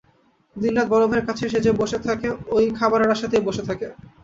দিন-রাত বড় ভাইয়ের কাছে সে যে বসে থাকে, ঐ খাবারের আশাতেই বসে থাকে।